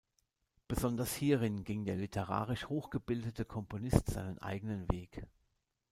Besonders hierin ging der literarisch hochgebildete Komponist seinen eigenen Weg.